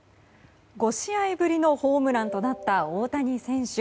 ５試合ぶりのホームランとなった大谷選手。